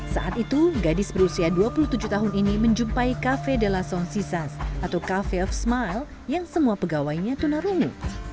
saat itu gadis berusia dua puluh tujuh tahun ini menjumpai kafe dela son sisas atau cafe of smile yang semua pegawainya tunarungu